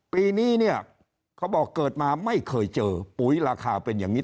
ปีนี้เนี่ยเขาบอกเกิดมาไม่เคยเจอปุ๋ยราคาเป็นอย่างนี้